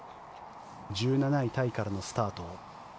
１７位タイからのスタート。